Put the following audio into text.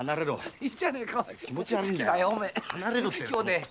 いいじゃねえか兄弟。